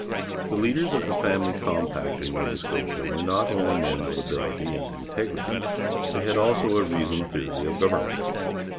The leaders of the Family Compact in Nova Scotia were not only men of ability and integrity, they had also a reasoned theory of government.